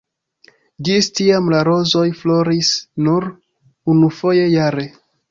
Ĝis tiam la rozoj floris nur unufoje jare.